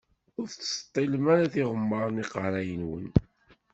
Ur tettseṭṭilem ara tiɣemmaṛ n iqeṛṛa-nwen.